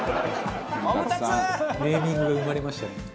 「ネーミングが生まれましたね」